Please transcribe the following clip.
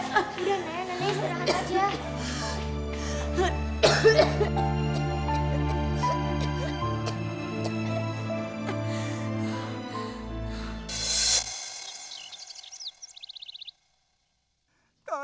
udah nenek nenek sederhan aja